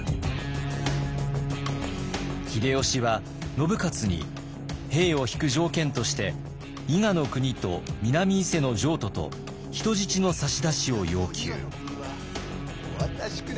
秀吉は信雄に兵を引く条件として伊賀国と南伊勢の譲渡と人質の差し出しを要求。